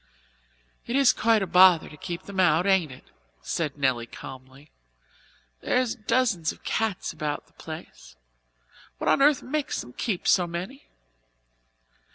"It is quite a bother to keep them out, ain't it?" said Nelly calmly. "There's dozens of cats about the place. What on earth makes them keep so many?"